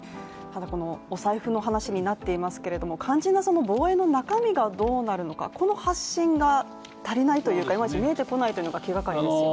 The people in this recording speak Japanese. お財布の話になっていますけれども肝心な防衛の中身がどうなるのか、この発信が足りないというかいまいち見えてこないのが気がかりですよね。